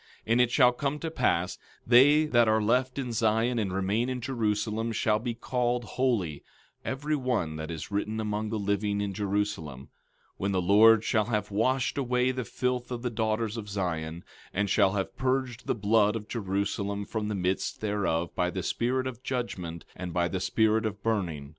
14:3 And it shall come to pass, they that are left in Zion and remain in Jerusalem shall be called holy, every one that is written among the living in Jerusalem— 14:4 When the Lord shall have washed away the filth of the daughters of Zion, and shall have purged the blood of Jerusalem from the midst thereof by the spirit of judgment and by the spirit of burning.